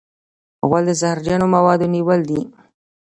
غول د زهرجنو موادو نیول دی.